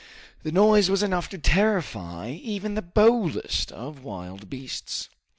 The noise was enough to terrify even the boldest of wild beasts.